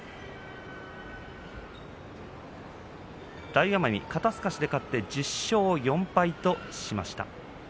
大奄美、肩すかしで勝って１０勝４敗としました。